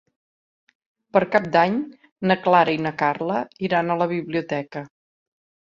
Per Cap d'Any na Clara i na Carla iran a la biblioteca.